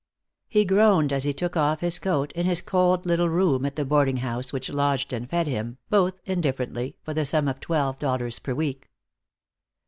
He groaned as he took off his coat in his cold little room at the boarding house which lodged and fed him, both indifferently, for the sum of twelve dollars per week.